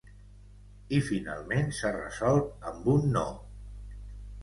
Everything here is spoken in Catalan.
I finalment s’ha resolt amb un no.